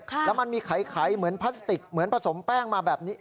แล้วมันมีไขเหมือนพลาสติกเหมือนผสมแป้งมาแบบนี้